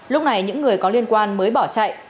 lúc này những người có liên quan mới bỏ chạy